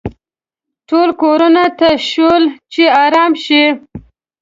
ټول کورونو ته شول چې ارام شي.